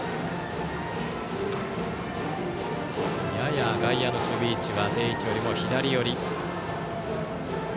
やや外野の守備位置は定位置よりも左寄り。